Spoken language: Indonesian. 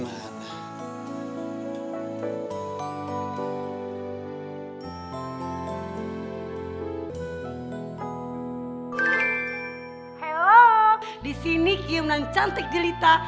hello disini kiem dan cantik di lita